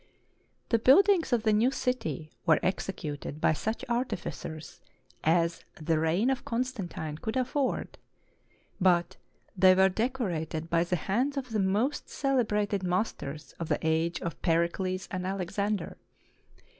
The buildings of the new city were executed by such artificers as the reign of Constantine could afford; but they were decorated by the hands of the most celebrated masters of the age of Pericles and Alexander.